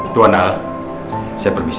tuan al saya pergi tidur ya